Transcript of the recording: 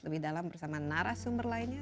lebih dalam bersama narasumber lainnya